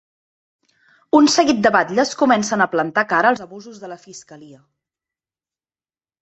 Un seguit de batlles comencen a plantar cara als abusos de la fiscalia.